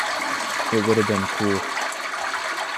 It would have been cool.